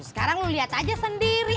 sekarang lo liat aja sendiri